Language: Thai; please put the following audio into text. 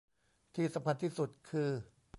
ที่สำคัญที่สุดคือ